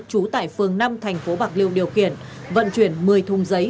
trú tại phường năm thành phố bạc liêu điều khiển vận chuyển một mươi thùng giấy